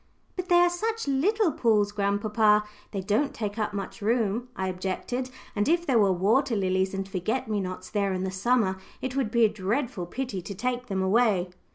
"But they are such little pools, grandpapa, they don't take up much room," I objected, "and if there were water lilies, and forget me nots there in the summer, it would be a dreadful pity to take them away."